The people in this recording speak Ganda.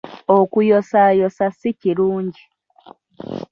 Okuyosaayosa si kirungi.